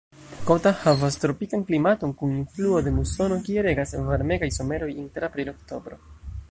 Kota havas tropikan klimaton kun influo de musono, kie regas varmegaj someroj inter aprilo-oktobro.